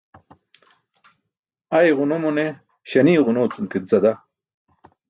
Ay ġuno mo ne śanie ġuno cum ke zada.